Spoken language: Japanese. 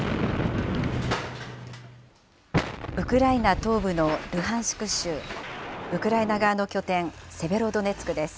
ウクライナ東部のルハンシク州、ウクライナ側の拠点、セベロドネツクです。